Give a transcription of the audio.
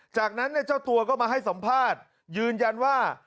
จากนั้นเจ้าตัวก็มาให้สัมภาษณ์ยืนยันว่า